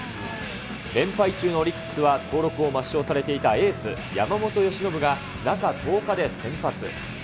連敗中のオリックスは登録を抹消されていたエース、山本由伸が中１０日で先発。